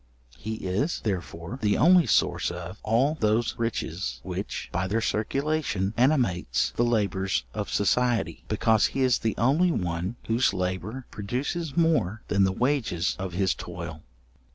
He is, therefore, the only source of all those riches which, by their circulation, animates the labours of society: because he is the only one whose labour produces more than the wages of his toil.